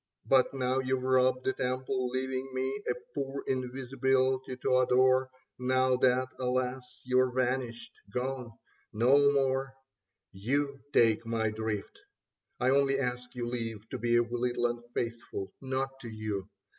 But now you've robbed the temple, leaving me A poor invisibility to adore, Now that, alas, you're vanished, gone ... no more ; You take my drift. I only ask your leave To be a little unfaithful — not to you.